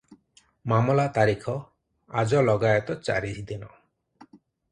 ମାମଲା ତାରିଖ ଆଜଲଗାଏତ ଚାରିଦିନ ।